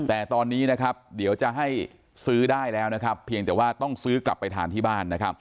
แต่ตอนนี้เดี๋ยวจะให้ซื้อได้แล้วเพียงแต่ว่าต้องซื้อกลับไปทานที่บ้าน